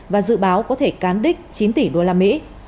và dự báo có thể cán đích chín tỷ usd